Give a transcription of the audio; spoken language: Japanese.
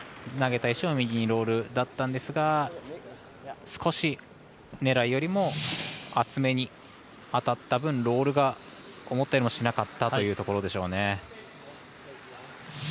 投げた石を右にロールだったんですが少し狙いよりも厚めに当たった分ロールが思ったよりもしなかったというところでしょうね。